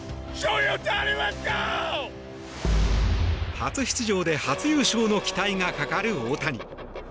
初出場で初優勝の期待がかかる大谷。